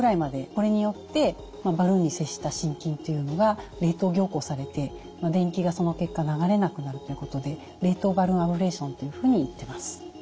これによってバルーンに接した心筋というのが冷凍凝固されて電気がその結果流れなくなるということで冷凍バルーンアブレーションというふうにいってます。